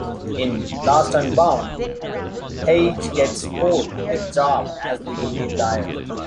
In "Lost and Bound", Paige gets Cole a job as a legal aid lawyer.